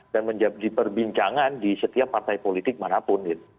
dan menjadi perbincangan di setiap partai politik manapun